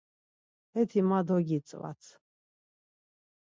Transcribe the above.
Heti ma dogitzvat.